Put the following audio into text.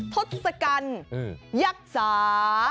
ทศกัณฐ์ยักษา